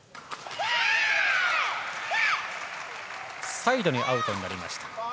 サイドにアウトになりました。